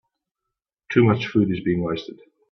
Too much food is being wasted.